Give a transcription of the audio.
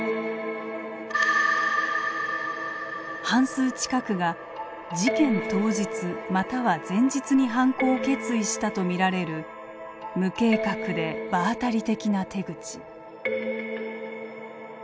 半数近くが事件当日または前日に犯行を決意したとみられる無計画で場当たり的な手口。